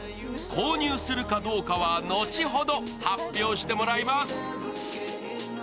購入するかどうかは後ほど発表してもらいます。